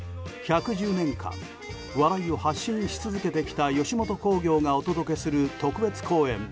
１１０年間笑いを発信し続けてきた吉本興業がお届けする特別公演